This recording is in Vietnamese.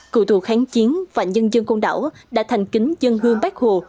cựu tù kháng chiến và nhân dân côn đảo đã thành kính dân hương bác hồ